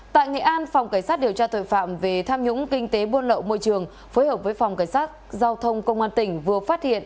tại nghệ an phòng cảnh sát điều tra tội phạm về tham nhũng kinh tế buôn lậu môi trường phối hợp với phòng cảnh sát giao thông công an tỉnh vừa phát hiện